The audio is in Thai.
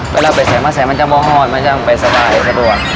เวลาไปใส่มาใส่มันจะมองหอดมันจะไปสบาย